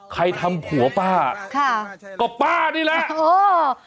ใครทำผัวป้าค่ะก็ป้านี่แหละโอ้